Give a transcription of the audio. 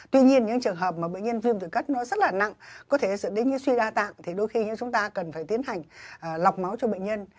tuy nhiên những trường hợp mà viêm tụy cấp nó rất là nặng có thể dẫn đến như suy đa tạng thì đôi khi chúng ta cần phải tiến hành lọc máu cho bệnh nhân